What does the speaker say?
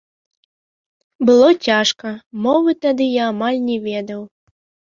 Было цяжка, мовы тады я амаль не ведаў.